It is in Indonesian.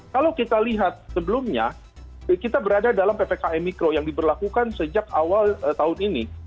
kalau kita lihat sebelumnya kita berada dalam ppkm mikro yang diberlakukan sejak awal tahun ini